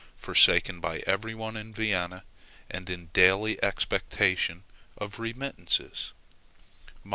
Forsaken by every one in Vienna, and in daily expectation of remittances, &c.